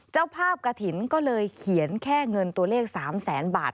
เจ้าภาพกระถิ่นก็เลยเขียนแค่เงินตัวเลข๓แสนบาท